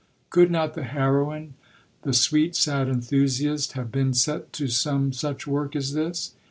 Could not the heroine, the 'sweet sad enthusiast,' have been set to some such work as this?